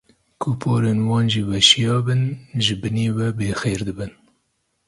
Ku porên wan jî weşiya bin ji binî ve bêxêr dibin.